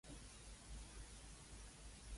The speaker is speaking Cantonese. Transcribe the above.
尼斯湖水怪